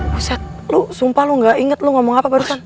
buset lu sumpah gak inget lu ngomong apa barusan